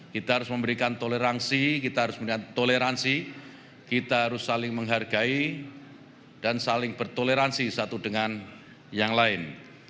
kita harus memberikan toleransi kita harus saling menghargai dan saling bertoleransi satu dengan yang lain